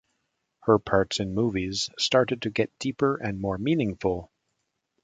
Her parts in movies started to get deeper and more meaningful.